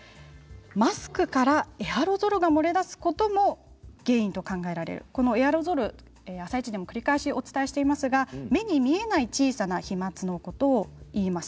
マスクからエアロゾルが漏れ出すことも原因と考えられるこのエアロゾル「あさイチ」でも繰り返しお伝えしていますが目に見えない小さな飛まつのことをいいます。